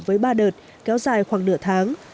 với ba đợt kéo dài khoảng nửa tháng